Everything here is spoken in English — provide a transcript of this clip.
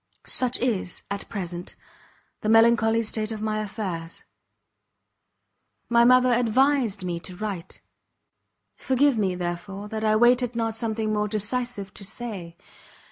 Such is, at present, the melancholy state of my affairs. My mother advised me to write; forgive me, therefore, that I waited not something more decisive to say.